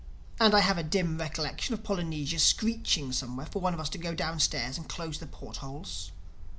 And I have a dim recollection of Polynesia screeching somewhere for one of us to go downstairs and close the port holes.